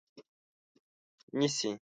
نیسي